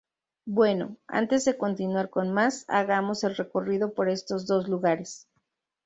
Bueno, antes de continuar con más, hagamos el recorrido por estos dos lugares.